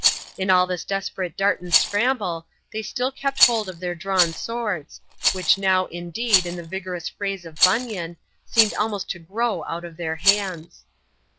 In all this desperate dart and scramble, they still kept hold of their drawn swords, which now, indeed, in the vigorous phrase of Bunyan, seemed almost to grow out of their hands.